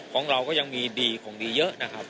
ของเราก็ยังมีดีของดีเยอะนะครับ